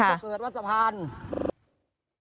ทำไมโพกเกิดวัดสะพาน